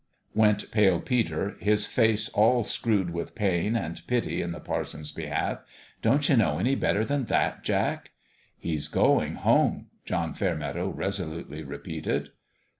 " Tsch, tsch, tsch !" went Pale Peter, his face all screwed with pain and pity in the parson's behalf. " Don't you know any better than that, Jack?" " He's going home," John Fairmeadow reso lutely repeated.